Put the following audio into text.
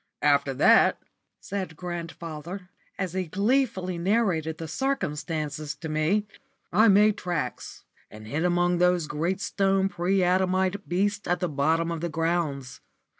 "After that," said grandfather, as he gleefully narrated the circumstances to me, "I made tracks and hid among those great stone pre adamite beasts at the bottom of the grounds.